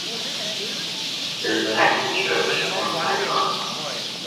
There is an active Church, and payphone.